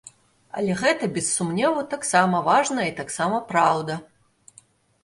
Але гэта без сумневу таксама важна і таксама праўда.